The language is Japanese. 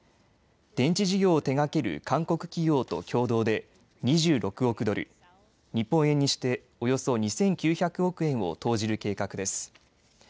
電池事業を手がける韓国企業と共同で２６億ドル、日本円にしておよそ２９００億円を投じる計画です。